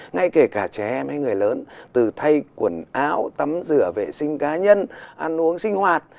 ngay kể cả trẻ em hay người lớn từ thay quần áo tắm rửa vệ sinh cá nhân ăn uống sinh hoạt